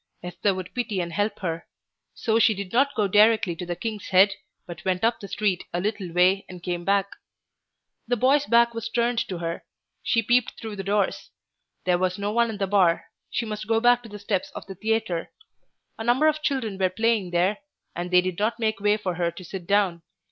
Esther would pity and help her. So she did not go directly to the "King's Head," but went up the street a little way and came back. The boy's back was turned to her; she peeped through the doors. There was no one in the bar, she must go back to the steps of the theatre. A number of children were playing there, and they did not make way for her to sit down.